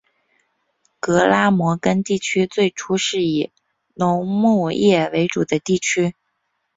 格拉摩根地区最初是以农牧业为主的地区。